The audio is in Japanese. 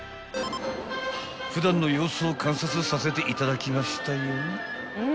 ［普段の様子を観察させていただきましたよ］